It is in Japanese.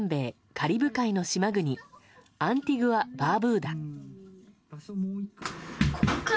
カリブ海の島国アンティグア・バーブーダ。